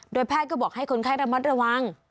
แพทย์ก็บอกให้คนไข้ระมัดระวัง